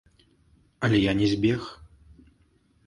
Але я не збег.